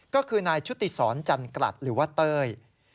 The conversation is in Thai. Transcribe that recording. ก็คือนายชุติศรจันกลัดหรือว่าเต้ย